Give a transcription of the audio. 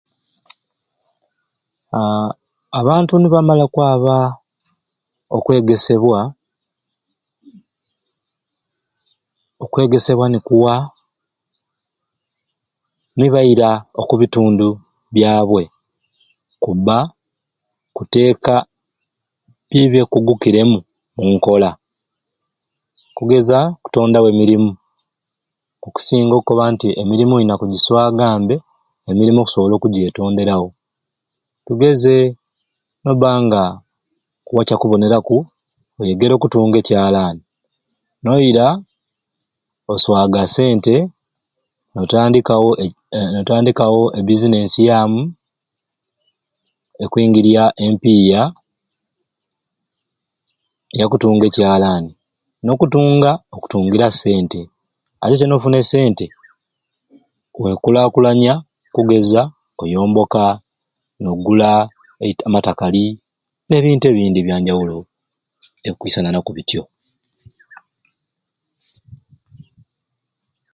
Aa! abantu ni bamala okwaba okwegesebwa okwegesebwa nikuwa nibaira oku bitundu byabwe kubba kuteeka byebakugukiremu mu nkola okugeza okutondawo emirimu okusinga okukoba nti emirimu oyina kugiswagambe emirimu okusobola okugyetonderawo, tugeze nobba nga nkuwa kyakuboneraku oyegere okutunga ekyalaani noira oswaga sente n'otandikawo ee n'otandikawo ebbiizinensi yaamu ekwingirya empiiya eya kutunga ekyalaani n'okutunga okutungira sente atete n'ofuna esente weekulaakulanya okugeza oyomboka, n'ogula eit... amatakali n'ebintu ebindi ebyanjawulo ebikwisananaku bityo.